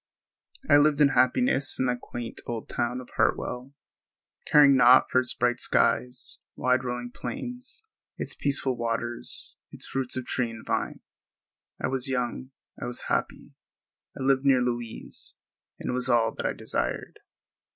I lived in happiness in that quaint old town of Hartwell, caring naught for its bright skies, wide rolling plains, its peaceful waters, its fruits of tree and vine. I was young; I was happy; I lived near Louise; it was all that I desired.